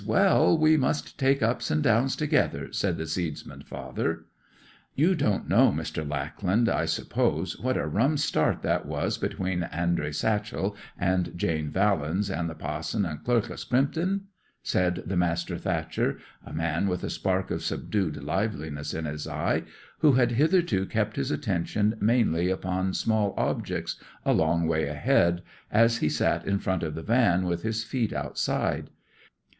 Well, we must take ups and downs together,' said the seedsman's father. 'You don't know, Mr. Lackland, I suppose, what a rum start that was between Andrey Satchel and Jane Vallens and the pa'son and clerk o' Scrimpton?' said the master thatcher, a man with a spark of subdued liveliness in his eye, who had hitherto kept his attention mainly upon small objects a long way ahead, as he sat in front of the van with his feet outside.